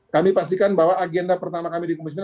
kami pastikan bahwa agenda pertama kami di komisi sembilan